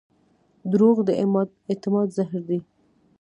دروغ د اعتماد زهر دي.